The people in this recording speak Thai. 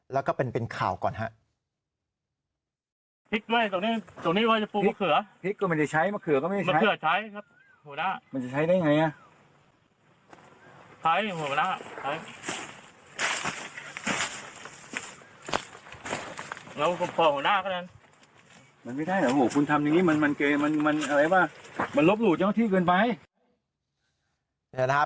แล้วก็เป็นข่าวก่อนครับ